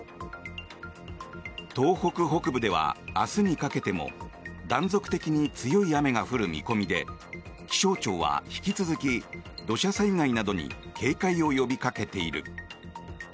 東北北部では明日にかけても断続的に強い雨が降る見込みで気象庁は引き続き土砂災害などに警戒を呼びかけている。